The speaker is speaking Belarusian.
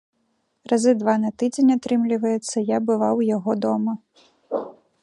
Разы два на тыдзень, атрымліваецца, я бываў у яго дома.